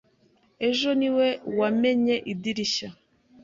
Ejo ni we wamennye idirishya.